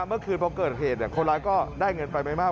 เมื่อคืนพอเกิดเหตุคนร้ายก็ได้เงินไปไม่มาก